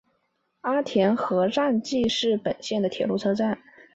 阿田和站纪势本线的铁路车站。